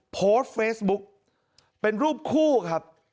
โพสต์เฟซบุ๊กเป็นรูปคู่ครับ